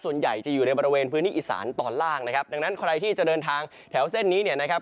ส่วนใหญ่จะอยู่ในบริเวณพื้นที่อีสานตอนล่างนะครับดังนั้นใครที่จะเดินทางแถวเส้นนี้เนี่ยนะครับ